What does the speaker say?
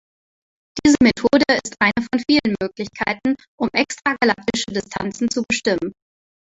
Diese Methode ist eine von vielen Möglichkeiten um extragalaktische Distanzen zu bestimmen.